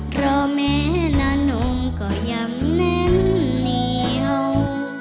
เพราะแม้นานงก็ยังแน่นเหนียว